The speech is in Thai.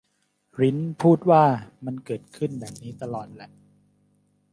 ริ้นพูดว่า มันเกิดขึ้นแบบนี้ตลอดแหละ